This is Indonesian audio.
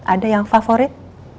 ada yang favorit